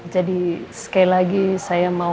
jadi sekali lagi saya mau